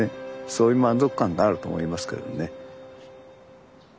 そういう満足感ってあると思いますけどね。